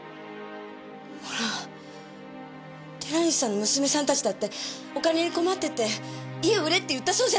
ほら寺西さんの娘さんたちだってお金に困ってて家を売れって言ったそうじゃないですか。